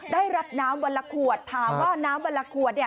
ได้รับน้ำวันละขวดถามว่าน้ำวันละขวดเนี่ย